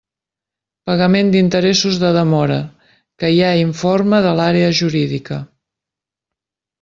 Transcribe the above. Pagament d'interessos de demora: que hi ha informe de l'Àrea Jurídica.